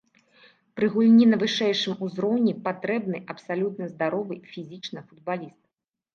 Пры гульні на вышэйшым узроўні патрэбны абсалютна здаровы фізічна футбаліст.